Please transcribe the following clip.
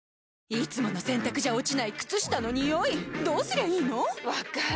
いつもの洗たくじゃ落ちない靴下のニオイどうすりゃいいの⁉分かる。